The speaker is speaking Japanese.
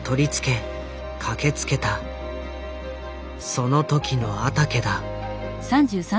その時の阿竹だ。